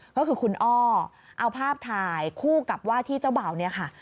ก็คือคุณอ้อเอาภาพถ่ายคู่กับว่าที่เจ้าบ่าวเนี่ยค่ะ